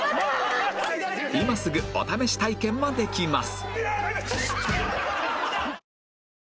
今すぐお試し体験もできます